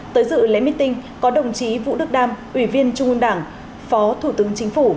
tới dự lễ meeting có đồng chí vũ đức đam ủy viên trung ương đảng phó thủ tướng chính phủ